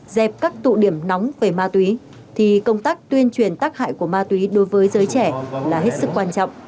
dẹp các tụ điểm nóng về ma túy thì công tác tuyên truyền tác hại của ma túy đối với giới trẻ là hết sức quan trọng